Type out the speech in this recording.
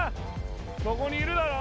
そこにいるだろ？